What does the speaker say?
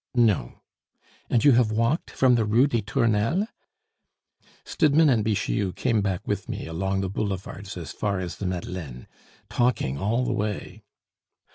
"No." "And you have walked from the Rue des Tournelles?" "Stidmann and Bixiou came back with me along the boulevards as far as the Madeleine, talking all the way."